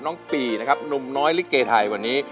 น้องปีนะครับหนุ่มน้อยลิเกไทยวันนี้